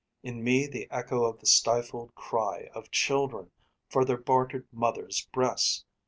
In me the echo of the stifled cry Of children for their bartered mothers' breasts.